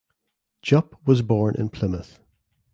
Jupp was born in Plymouth.